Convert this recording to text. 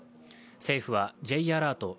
政府はＪアラート＝